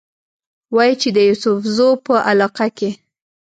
وايي چې د يوسفزو پۀ علاقه کښې